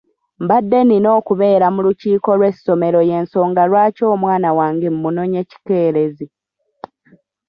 Mbadde nina okubeera mu lukiiko lw'essomero y'ensonga lwaki omwana wange mmunonye kikeerezi.